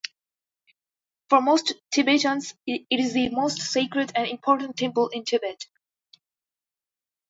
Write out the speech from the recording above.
For most Tibetans it is the most sacred and important temple in Tibet.